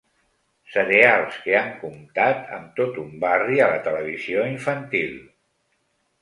Cereals que han comptat amb tot un barri a la televisiu infantil.